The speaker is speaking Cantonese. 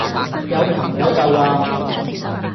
有朋友就話